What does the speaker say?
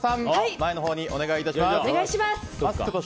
前のほうにお願いします。